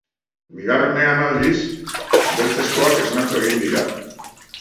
Bigarrenean, aldiz, beltzezkoak esnatu egin dira.